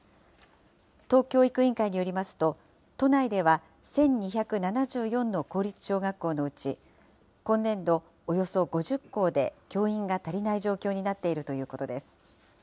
都教育委員会によりますと、都内では、１２７４の公立小学校のうち、今年度およそ５０校で教員が足りない状況になっているということです。